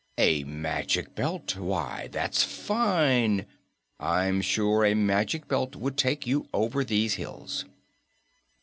"A Magic Belt! Why, that's fine. I'm sure a Magic Belt would take you over these hills."